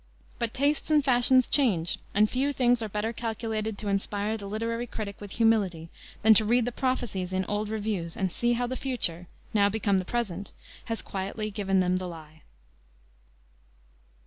But tastes and fashions change, and few things are better calculated to inspire the literary critic with humility than to read the prophecies in old reviews and see how the future, now become the present, has quietly given them the lie.